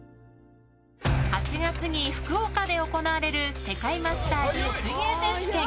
８月に福岡で行われる世界マスターズ水泳選手権。